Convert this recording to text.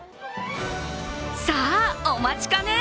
さあ、お待ちかね！